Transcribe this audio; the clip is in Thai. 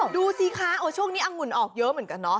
ดูสิคะช่วงนี้อังุ่นออกเยอะเหมือนกันเนาะ